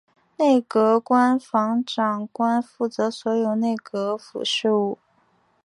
内阁官房长官负责所有内阁府事务。